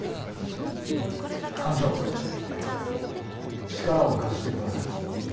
艦長力を貸して下さい。